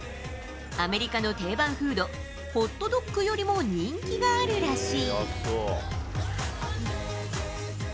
アメリカの定番フード、ホットドッグよりも人気があるらしい。